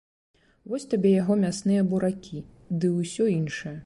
Вось табе яго мясныя буракі ды ўсё іншае.